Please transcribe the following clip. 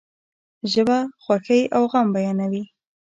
ژبه خوښی او غم بیانوي.